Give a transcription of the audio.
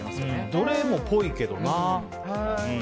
どれもぽいけどな。